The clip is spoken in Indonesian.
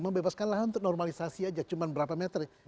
membebaskan lahan untuk normalisasi aja cuma berapa meter